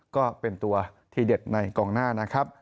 ก็เป็นตัวที่เด็ดในกองหน้านะครับ